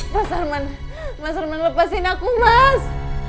mas arman mas arman lepasin aku mas